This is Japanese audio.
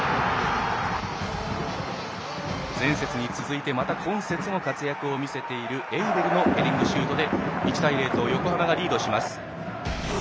前節に続いて、また今節も活躍を見せているエウベルのヘディングシュートで１対０と横浜がリードします。